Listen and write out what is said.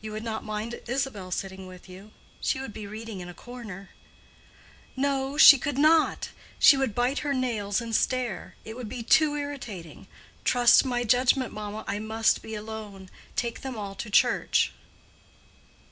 "You would not mind Isabel sitting with you? She would be reading in a corner." "No; she could not: she would bite her nails and stare. It would be too irritating. Trust my judgment, mamma, I must be alone. Take them all to church."